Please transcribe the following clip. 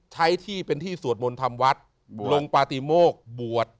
ใช้ที่เป็นที่สวดมนต์ธรรมวัตน์ลงปฏิโมกบวช